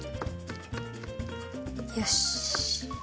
よし。